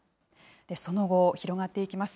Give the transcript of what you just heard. その後、広がっていきます。